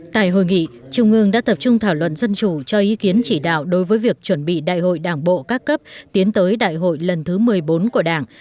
tại hội nghị trung ương đã tập trung thảo luận dân chủ cho ý kiến chỉ đạo đối với việc chuẩn bị đại hội đảng bộ các cấp tiến tới đại hội lần thứ một mươi bốn của đảng